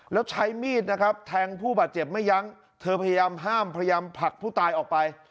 แล้วใช้มีดนะครับแทงผู้บาดเจ็บไม่ยั้งเธอพยายามห้ามพยายามผลักผู้ตายออกไป